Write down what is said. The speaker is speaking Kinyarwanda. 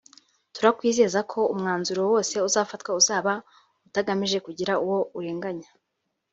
turakwizeza ko umwanzuro wose uzafatwa uzaba utagamije kugira uwo urenganya